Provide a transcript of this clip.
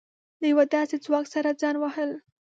له يوه داسې ځواک سره ځان وهل.